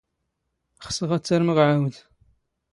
ⵅⵙⵖ ⴰⴷ ⵜ ⴰⵔⵎⵖ ⵄⴰⵡⴷ.